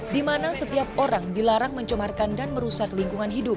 di mana setiap orang dilarang mencemarkan dan merusak lingkungan hidup